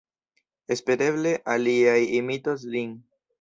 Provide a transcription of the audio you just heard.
Espereble aliaj imitos lin!